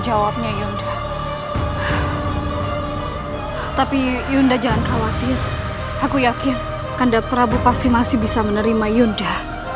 jangan khawatir aku yakin kanda prabu pasti masih bisa menerima yunda